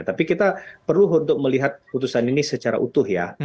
tapi kita perlu untuk melihat putusan ini secara utuh ya